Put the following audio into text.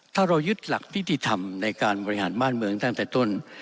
ถ้าเรายึดหลักนิติธรรมในการบริหารบ้านเมืองตั้งแต่ต้น